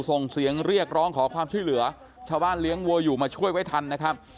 ส่งเสียงเรียกร้องขอความช่วยเหลือชาวบ้านเลี้ยงวัวอยู่มาช่วยไว้ทันนะครับ